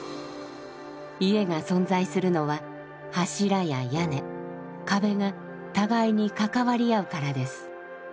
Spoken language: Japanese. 家が存在するのは柱や屋根壁が互いに関わり合うからです。